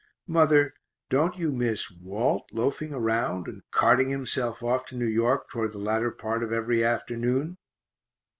Mother, don't you miss Walt loafing around, and carting himself off to New York toward the latter part of every afternoon?